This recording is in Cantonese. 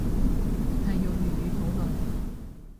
係用粵語討論